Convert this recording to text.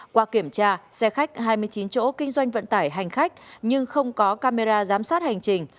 qua kiểm tra xe khách hai mươi chín chỗ kinh doanh vận tải hành khách nhưng không có camera giám sát hành trình